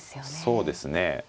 そうですね。